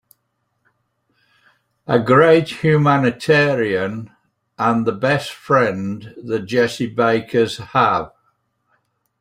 A great humanitarian and the best friend the Jessie Bakers have.